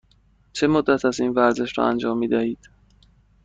چه مدت است این ورزش را انجام می دهید؟